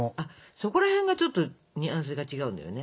そこらへんがちょっとニュアンスが違うんだよね。